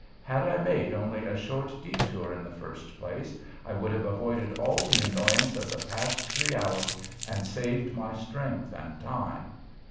Had I made only a short detour in the first place, I would have avoided all the annoyance of the past three hours and saved my strength and time.